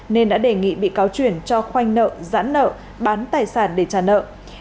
nên đã đề nghị bị cáo chuyển cho khoanh nợ giãn nợ bán tài sản để trả nợ